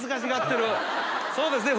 そうですね？